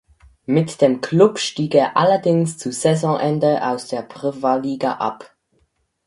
Mit dem Klub stieg er allerdings zu Saisonende aus der Prva Liga ab.